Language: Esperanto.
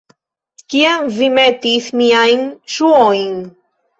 Kien vi metis miajn ŝuojn?